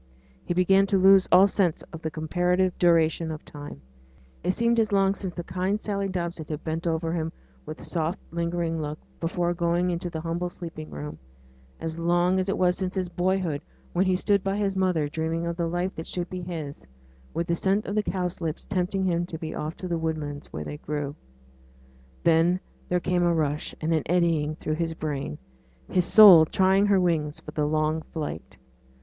He began to lose all sense of the comparative duration of time: it seemed as long since kind Sally Dobson had bent over him with soft, lingering look, before going into the humble sleeping room as long as it was since his boyhood, when he stood by his mother dreaming of the life that should be his, with the scent of the cowslips tempting him to be off to the woodlands where they grew. Then there came a rush and an eddying through his brain his soul trying her wings for the long flight.